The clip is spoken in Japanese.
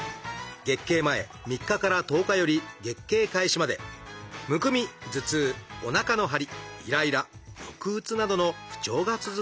月経前３日から１０日より月経開始まで「むくみ」「頭痛」「おなかの張り」「イライラ」「抑うつ」などの不調が続くというもの。